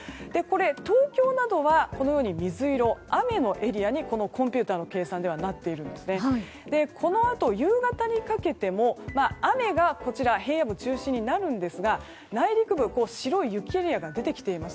東京などは水色、雨のエリアにコンピューターの計算ではなっていますがそのあと夕方にかけても雨が平野部中心になるんですが内陸部は白い雪エリアが出てきています。